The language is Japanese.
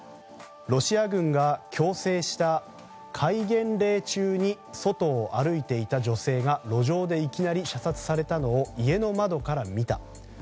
ロシア軍が強制した戒厳令中に外を歩いていた女性が路上でいきなり射殺されたのを家の窓から見た。